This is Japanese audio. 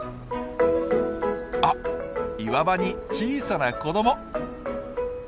あっ岩場に小さな子ども！